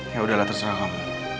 yaudahlah terserah om